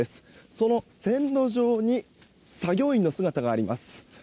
その線路上に作業員の姿があります。